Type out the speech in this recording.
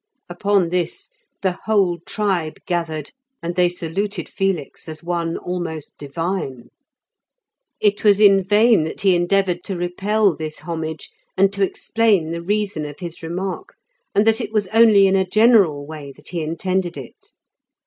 Upon this the whole tribe gathered, and they saluted Felix as one almost divine. It was in vain that he endeavoured to repel this homage, and to explain the reason of his remark, and that it was only in a general way that he intended it.